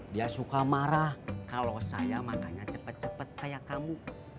dia suka marah kalau saya makannya cepat cepat kayak kamu